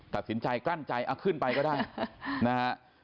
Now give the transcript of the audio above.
ตัดสินใจกลั้นใจเอาขึ้นไปก็ได้นะฮะ